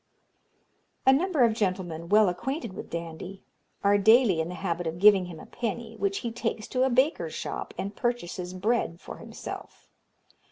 "A number of gentlemen, well acquainted with Dandie, are daily in the habit of giving him a penny, which he takes to a baker's shop and purchases bread for himself.